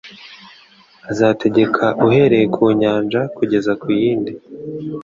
"Azategeka uhereye ku nyanja ukageza ku yindi;